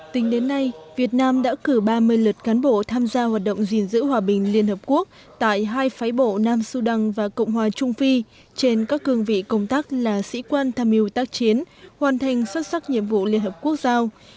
tính đến nay việt nam đã cử ba mươi lượt cán bộ tham gia hoạt động gìn giữ hòa bình liên hợp quốc tại hai phái bộ nam sudan và cộng hòa trung phi trên các cương vị công tác là sĩ quan tham mưu tác chiến hoàn thành xuất sắc nhiệm vụ liên hợp quốc giao